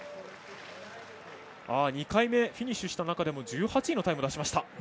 ２回目、フィニッシュした中でも１８位のタイムを出しました。